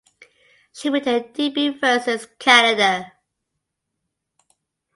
She made her debut versus Canada.